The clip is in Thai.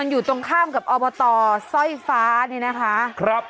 มันอยู่ตรงข้ามกับอบตซ่อยฟ้านี่นะคะ